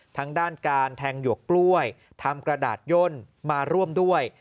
ทั้งด้านการแทงหยวกกล้วยทำกระดาษย่นมาร่วมด้วย